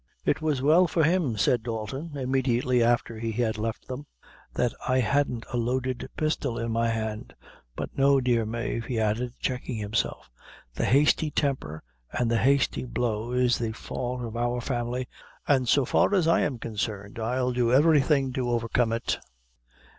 "It was well for him," said Dalton, immediately after he had left them, "that I hadn't a loaded pistol in my hand but no, dear Mave," he added, checking himself, "the hasty temper and the hasty blow is the fault of our family, an' so far as I am consarned, I'll do everything to overcome it."